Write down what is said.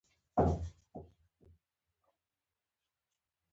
په افغانستان کې چار مغز ډېر زیات اهمیت او ارزښت لري.